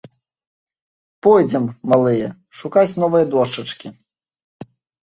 Пойдзем, малыя, шукаць новай дошчачкі!